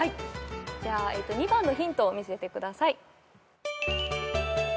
じゃあ２番のヒントを見せてください。